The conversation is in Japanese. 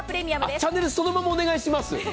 チャンネル、そのままお願いします。